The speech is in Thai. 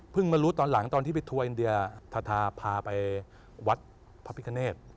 มารู้ตอนหลังตอนที่ไปทัวร์อินเดียทาทาพาไปวัดพระพิคเนต